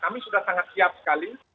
kami sudah sangat siap sekali